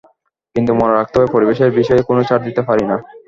কিন্তু মনে রাখতে হবে, পরিবেশের বিষয়ে কোনো ছাড় দিতে পারি না।